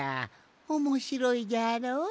おもしろいじゃろ？